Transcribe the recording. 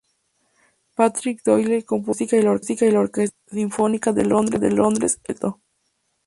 Patrick Doyle compuso la música, y la Orquesta Sinfónica de Londres la interpretó.